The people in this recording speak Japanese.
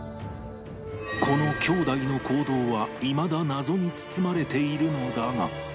この兄弟の行動はいまだ謎に包まれているのだが